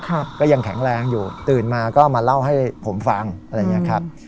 ก็ยังแข็งแรงอยู่ตื่นมาก็มาเล่าให้ผมฟังอะไรอย่างเงี้ยครับ